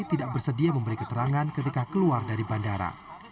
tidak bersedia memberi keterangan ketika keluar dari bandara